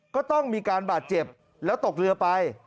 ก็ต้องมีการบาดเจ็บแล้วตกเรือไป